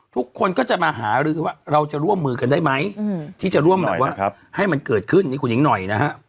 ทุกคนก็จะมาหารือว่าเราจะร่วมมือกันได้ไหมที่จะร่วมแบบว่าให้มันเกิดขึ้นนี่คุณหญิงหน่อยนะฮะ